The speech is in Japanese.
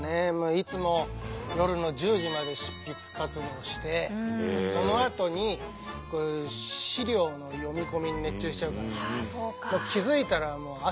いつも夜の１０時まで執筆活動をしてそのあとに資料の読み込みに熱中しちゃうから気付いたらもう朝よ。